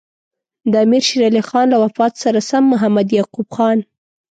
د امیر شېر علي خان له وفات سره سم محمد یعقوب خان.